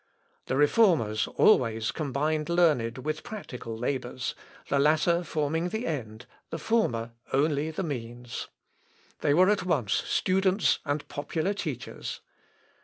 The Reformers always combined learned with practical labours the latter forming the end, the former only the means. They were at once students and popular teachers.